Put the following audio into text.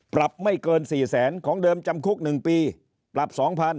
ปรับไม่เกิน๔แสนของเดิมจำคุก๑ปีปรับ๒๐๐๐